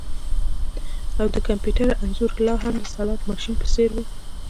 او د کمپیوټر انځور لاهم د سلاټ ماشین په څیر و